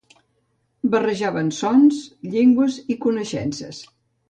Barrejaven sons, llengües i coneixences.